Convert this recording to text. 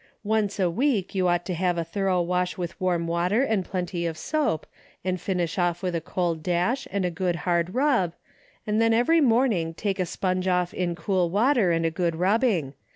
Once a weelc you ought to have a thorough wash with warm water and plenty of soap, and finish off with a cold dash, and a good hard rub, and then every morning take a sponge off in cool water and a good rubbing.